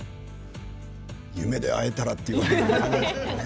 夢で会えたらっていうことですかね。